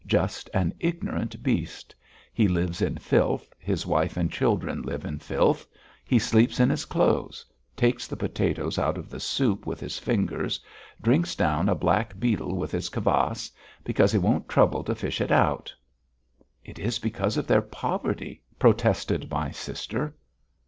Just an ignorant beast! He lives in filth, his wife and children live in filth; he sleeps in his clothes; takes the potatoes out of the soup with his fingers, drinks down a black beetle with his kvass because he won't trouble to fish it out!" "It is because of their poverty!" protested my sister.